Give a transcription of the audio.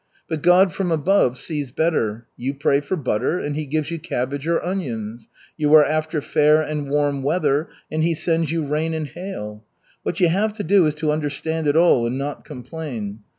But God from above sees better. You pray for butter, and he gives you cabbage or onions. You are after fair and warm weather and he sends you rain and hail. What you have to do is to understand it all and not complain.